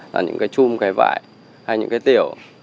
là những cái chum cái vải hay những cái tiểu